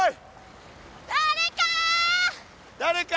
誰か！